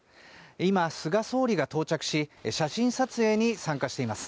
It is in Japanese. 今、菅総理が到着し写真撮影に参加しています。